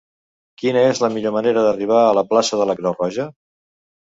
Quina és la millor manera d'arribar a la plaça de la Creu Roja?